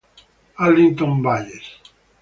Arlington Valles